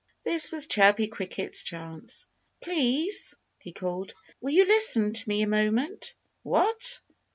This was Chirpy Cricket's chance. "Please!" he called. "Will you listen to me a moment?" "What!